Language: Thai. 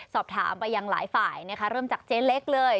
สอบถามไปยังหลายฝ่ายนะคะเริ่มจากเจ๊เล็กเลย